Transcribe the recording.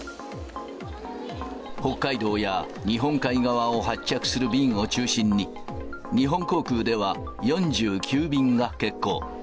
北海道や日本海側を発着する便を中心に、日本航空では４９便が欠航。